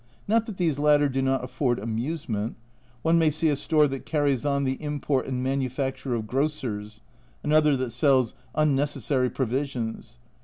Not that these latter do not afford amuse ment one may see a Store that carries on the " Import and Manufacture of Grocers " another that sells " Unnecessary Provisions."